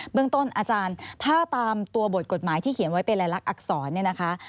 เรื่องต้นอาจารย์ถ้าตามตัวบทกฎหมายที่เขียนไว้เป็นรายลักษณอักษรเนี่ยนะคะ